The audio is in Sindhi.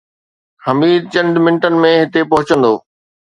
حميد چند منٽن ۾ هتي پهچندو